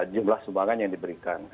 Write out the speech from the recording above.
jumlah sumbangan yang diberikan